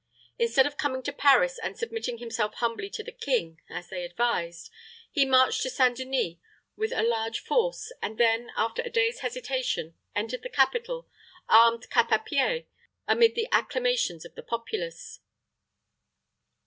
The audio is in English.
Instead of coming to Paris and submitting himself humbly to the king, as they advised, he marched to St. Denis with a large force, and then, after a day's hesitation, entered the capital, armed cap à pie, amid the acclamations of the populace.